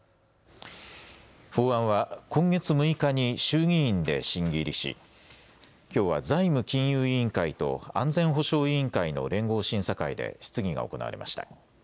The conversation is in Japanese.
法案は今月６日に衆議院で審議入りしきょうは財務金融委員会と安全保障委員会の連合審査会で質疑が行われました。